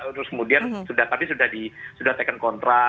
terus kemudian tadi sudah taken kontra